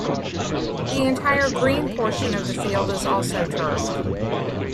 The entire green portion of the field is also turfed.